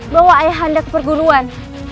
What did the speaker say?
bawa ayah anda ke perguruan